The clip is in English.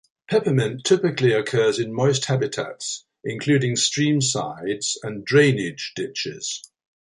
Peppermint typically occurs in moist habitats, including stream sides and drainage ditches.